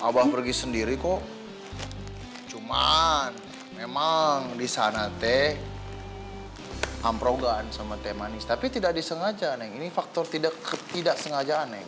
abah pergi sendiri kok cuman memang di sana teh kamprogan sama teh manis tapi tidak disengaja neng ini faktor ketidaksengajaan neng